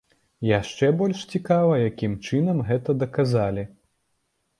Яшчэ больш цікава, якім чынам гэта даказалі.